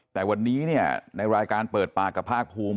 แต่วันนี้เนี่ยในรายการเปิดปากกับภาคภูมิ